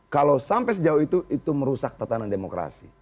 kalau sampai sejauh itu itu merusak tatanan demokrasi